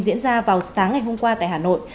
diễn ra vào sáng ngày hôm qua tại hà nội